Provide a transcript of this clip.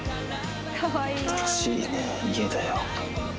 新しい家だよ。